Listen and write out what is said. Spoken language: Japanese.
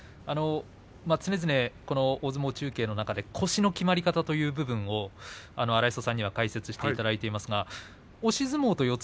常々、大相撲中継の中で腰のきまり方という部分を荒磯さんには解説していただいていますけれど押し相撲と四つ